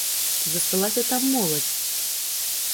Ці засталася там моладзь?